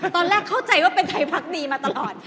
ตอนแรกเข้าใจว่าเป็นไทยพักดีมาตลอด